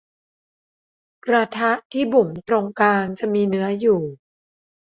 กระทะที่บุ๋มตรงกลางจะมีเนื้ออยู่